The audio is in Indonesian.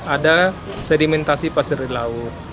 ada sedimentasi pasir di laut